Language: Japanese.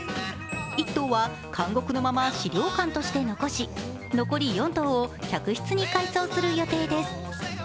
１棟は監獄のまま資料館として残し残り４棟を客室として改修する予定です。